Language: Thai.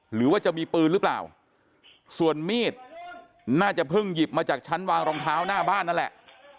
หรือว่าจะมีปืนหรือเปล่าส่วนมีดน่าจะเพิ่งหยิบมาจากชั้นวางรองเท้าหน้าบ้านนั่นแหละ